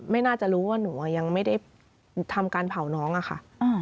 น่าจะรู้ว่าหนูยังไม่ได้ทำการเผาน้องอะค่ะ